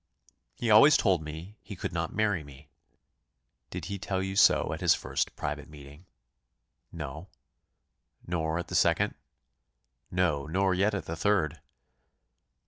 He always told me he could not marry me." "Did he tell you so at his first private meeting?" "No." "Nor at the second?" "No; nor yet at the third."